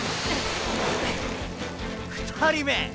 ２人目？